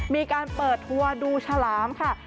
มีการเปิดทัวร์ดูฉลามค่ะ